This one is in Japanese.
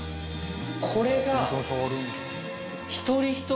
これが。